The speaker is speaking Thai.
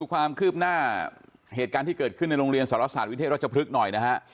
ความคืบหน้าเหตุการณ์ที่เกิดขึ้นในโรงเรียนสรศาสตวิเทศรัชพฤกษ์หน่อยนะฮะ